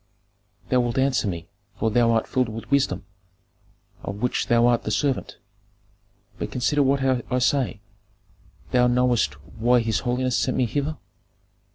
"Thou wilt answer me, for thou art filled with wisdom, of which thou art the servant. But consider what I say Thou knowest why his holiness sent me hither."